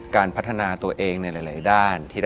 การพัฒนาตัวเองในหลายด้าน